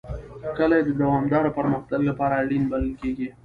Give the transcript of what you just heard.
کلي د دوامداره پرمختګ لپاره اړین بلل کېږي.